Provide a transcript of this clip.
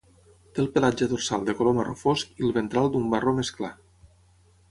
Té el pelatge dorsal de color marró fosc i el ventral d'un marró més clar.